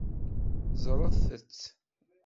Ẓṛet-tt.